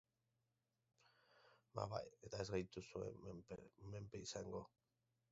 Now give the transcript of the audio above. Segurtasun dispositibo berezi horretako arduradun batek zazpi puntuz osaturiko txostena hartu du.